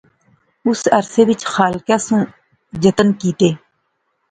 اس عرصے وچ خالقیں سو جتن کیتے